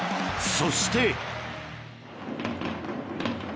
そして。